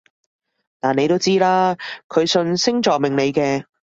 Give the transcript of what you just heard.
但你都知啦，佢信星座命理嘅